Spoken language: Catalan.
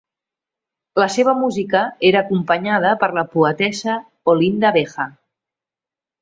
La seva música era acompanyada per la poetessa Olinda Beja.